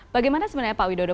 bagaimana sebenarnya pak widodo